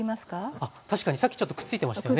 さっきちょっとくっついてましたよね？